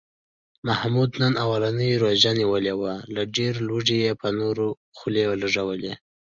محمود نن اولنۍ روژه نیولې وه، له ډېرې لوږې یې په نورو خولې لږولې.